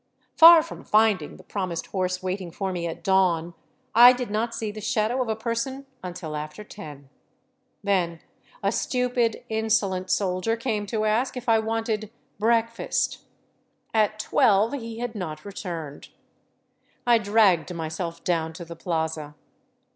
Far from finding the prom ised horse waiting for me at dawn, I did not see the shadow of a person until after ten. Then a stupid, insolent soldier came to ask if I wanted " breakfast." At twelve he had not returned. I dragged my self down to the plaza.